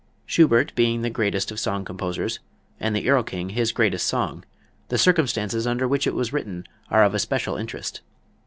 Schubert being the greatest of song composers, and the "Erlking" his greatest song, the circumstances under which it was written are of especial interest.